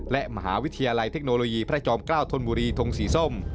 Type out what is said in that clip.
และมหาวิทยาลัยเทคโนโลยีพระจอมเกล้าธนบุรีทงสีส้ม